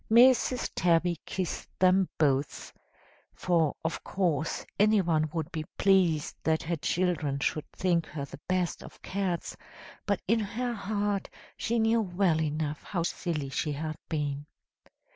"Mrs. Tabby kissed them both, for of course any one would be pleased that her children should think her the best of cats, but in her heart she knew well enough how silly she had been.